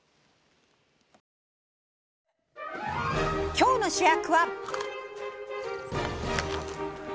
今日の主役は。